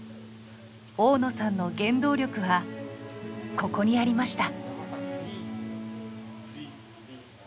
大野さんの原動力はここにありました。